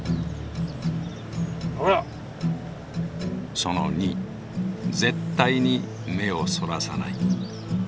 その２「絶対に目をそらさない」。